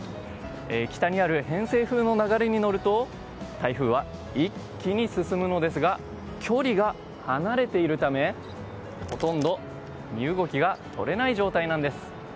北にある偏西風の流れに乗ると台風は一気に進むのですが距離が離れているためほとんど身動きが取れない状態なんです。